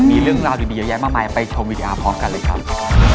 มีเรื่องราวดีเยอะแยะมากมายไปชมวิดีอาร์พร้อมกันเลยครับ